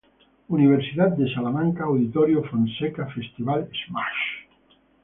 Universidad de Salamanca Auditorio Fonseca Festival Smash.